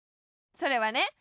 それはね